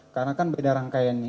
karena kan beda rangkaian